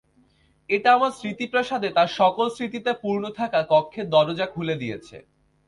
এটা আমার স্মৃতিপ্রাসাদে তার সকল স্মৃতিতে পুর্ণ থাকা কক্ষের দরজা খুলে দিয়েছে।